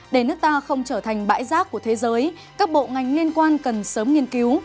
để nước ta không trở thành bãi rác của thế giới các bộ ngành liên quan cần sớm nghiên cứu